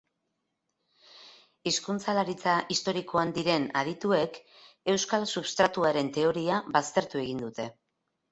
Hizkuntzalaritza historikoan diren adituek euskal substratuaren teoria baztertu egin dute.